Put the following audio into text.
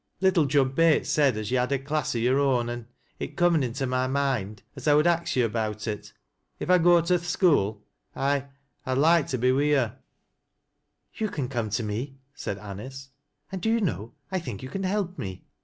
Little Jud Bates said as yo' had a class o' yore own, an' it comn into my moind as I would ax yo' about it. If i go to th' skoo I — I'd loike to be wi' yo'." Toa can come to me," said Anice. " And do you know, I think you can help me."